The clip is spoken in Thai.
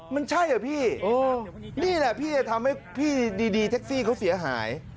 มันใช่เหรอพี่นี่แหละพี่จะทำให้พี่ดีแท็กซี่เขาเสียหาย